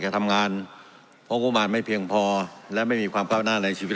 ทำงานเพราะงบประมาณไม่เพียงพอและไม่มีความก้าวหน้าในชีวิต